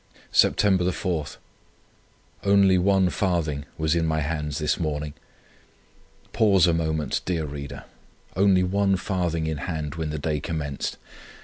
"Sept. 4. Only one farthing was in my hands this morning. Pause a moment, dear reader! Only one farthing in hand when the day commenced.